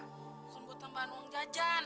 bukan buat tambahan uang jajan